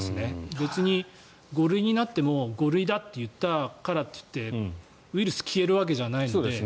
別に５類になっても５類だっていったからといってウイルスが消えるわけじゃないので。